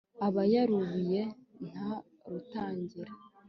aba yarubiye, nta rutangira